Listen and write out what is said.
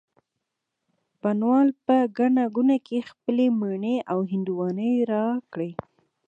بڼ وال په ګڼه ګوڼه کي خپلې مڼې او هندواڼې را کړې